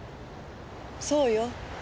そうよ。